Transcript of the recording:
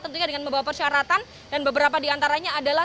tentunya dengan membawa persyaratan dan beberapa diantaranya adalah